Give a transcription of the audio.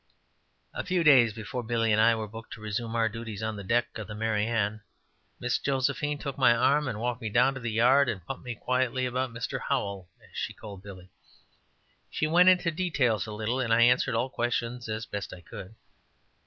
A few days before Billy and I were booked to resume our duties on the deck of the "Mary Ann," Miss Josephine took my arm and walked me down the yard and pumped me quietly about "Mr. Howell," as she called Billy. She went into details a little, and I answered all questions as best I could.